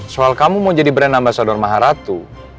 soal kamu mau jadi berenam bahasa dori maharatu